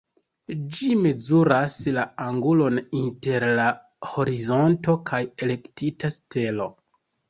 Ĝi mezuras la angulon inter la horizonto kaj elektita stelo.